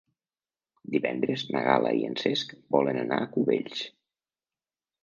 Divendres na Gal·la i en Cesc volen anar a Cubells.